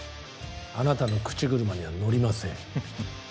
あなたの口車には乗りません。